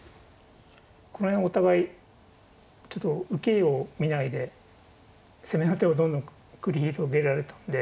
この辺お互い受けを見ないで攻めの手をどんどん繰り広げられたんで。